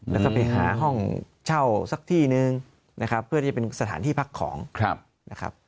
แล้วก็ไปหาห้องเช่าสักที่นึงนะครับเพื่อที่จะเป็นสถานที่พักของนะครับ